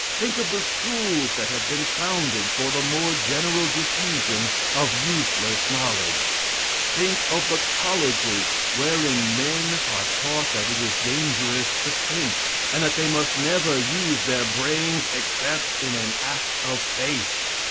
Think of the schools that have been founded for the more general diffusion of useless knowledge! Think of the colleges wherein men are taught that it is dangerous to think, and that they must never use their brains except in an act of faith!